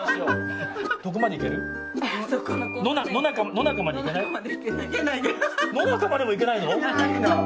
野中までも行けないの？